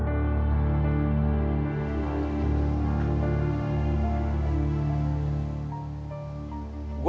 tidak ada yang maksa